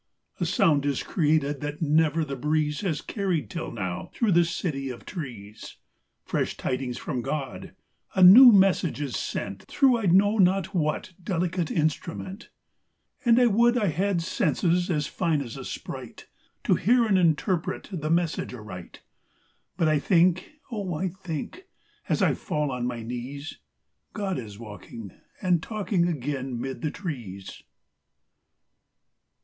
A sound is created that never the breeze Has carried till now through the city of trees : Fresh tidings from God ; a new message is sent Through I know not what delicate instru ment. And I would I had senses as fine as a sprite, To hear and interpret the message a right : But I think, oh, I think, as I fall on my knees, God is walking and talking again 'mid the trees.